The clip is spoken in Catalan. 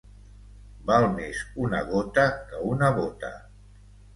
Val més una gota que una bota.